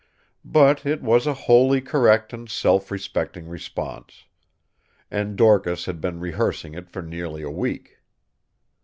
But it was a wholly correct and self respecting response. And Dorcas had been rehearsing it for nearly a week.